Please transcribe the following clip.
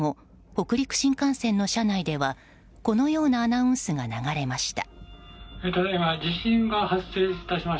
北陸新幹線の車内ではこのようなアナウンスが流れました。